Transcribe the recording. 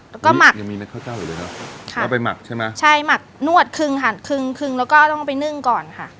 แล้วก็หมักใช่หมักนวดครึ่งหันครึ่งแล้วก็ต้องเอาไปนึ่งก่อนค่ะแล้วก็หมักนวดครึ่งหันครึ่งแล้วก็ต้องเอาไปนึ่งก่อนค่ะ